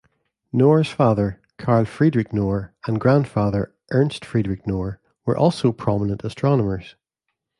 Knorre's father, Karl Friedrich Knorre, and grandfather, Ernst Friedrich Knorre, were also prominent astronomers.